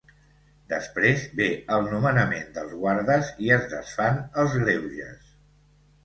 Després ve el nomenament dels guardes i es desfan els greuges.